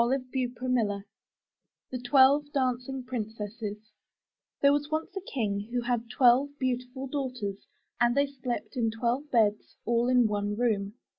^75 MY BOOK HOUSE THE TWELVE DANCING PRINCESSES There was once a King who had twelve beautiful daughters and they slept in twelve beds, all in one room.